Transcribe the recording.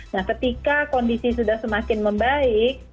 nah ketika kondisi sudah semakin membaik